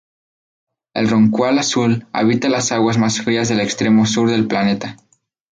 El rorcual azul habita las aguas más frías del extremo sur del planeta.